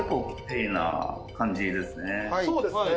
「そうですね」